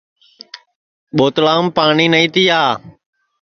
ٻوتلام پاٹؔی نائی تِیا